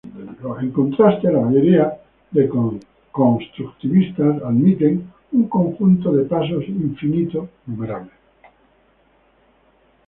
En contraste, la mayoría de constructivistas admiten un conjunto de pasos infinito numerable.